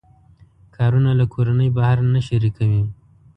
کارونه له کورنۍ بهر نه شریکوي.